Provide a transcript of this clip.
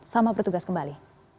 sama bertugas kembali